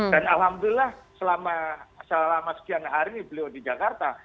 dan alhamdulillah selama sekian hari ini beliau di jakarta